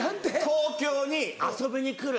東京に遊びに来る。